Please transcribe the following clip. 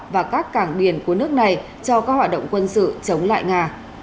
và các cảng biển của nước này cho các hoạt động quân sự chống lại nga